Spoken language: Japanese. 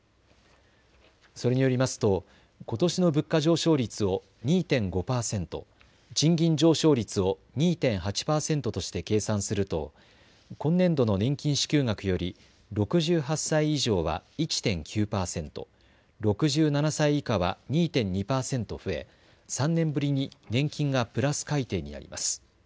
それによりますと、ことしの物価上昇率を２．５％、賃金上昇率を２．８％として計算すると今年度の年金支給額より６８歳以上は１．９％、６７歳以下は２．２％増え３年ぶりに年金がプラス改定になります。